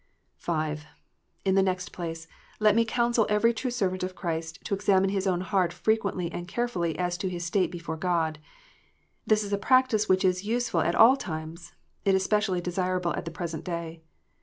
(5) In the next place, let me counsel every true servant of Christ to examine his own heart frequently and carefully as to his state before God. This is a practice which is useful at all times : it is specially desirable at the present day.